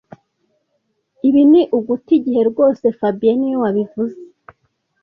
Ibi ni uguta igihe rwose fabien niwe wabivuze